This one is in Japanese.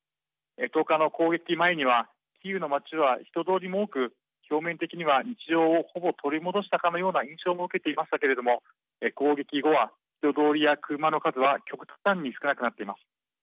１０日の攻撃前にはキーウの街は人通りも多く表面的には日常をほぼ取り戻したかのような印象も受けていましたけれども攻撃後は人通りや車の数は極端に少なくなっています。